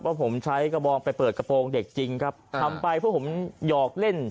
ว่าผมใช้กระบองไปเปิดกระโปรงเด็กจริงครับทำไปเพราะผมหยอกเล่น